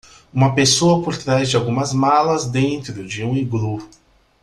Uma pessoa por trás de algumas malas dentro de um iglu.